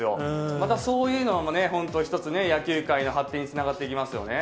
またそういうのもね、本当、一つね、野球界の発展につながっていきますよね。